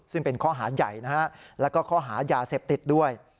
ซึ่งเป็นข้อหาใหญ่นะฮะแล้วก็ข้อหายาเสพติดด้วย